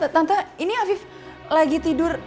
tante ini afif lagi tidur